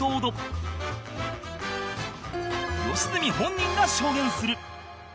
良純本人が証言する